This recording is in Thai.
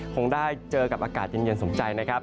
คงได้เจอกับอากาศเย็นสมใจนะครับ